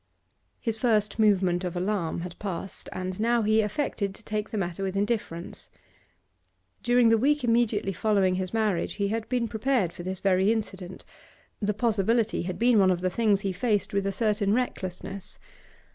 His first movement of alarm had passed, and now he affected to take the matter with indifference. During the week immediately following his marriage he had been prepared for this very incident; the possibility had been one of the things he faced with a certain recklessness.